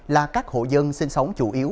là các hộ dân sinh sống chủ yếu